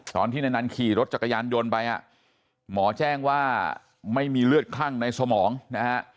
ตอนที่ในนั้นขี่รถจักรยานยนต์ไปอ่ะหมอแจ้งว่าไม่มีเลือดคลั่งในสมองนะฮะ